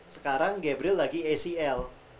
sekarang gabriel lagi acl